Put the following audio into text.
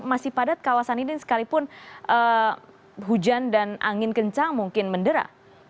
masih padat kawasan ini sekalipun hujan dan angin kencang mungkin mendera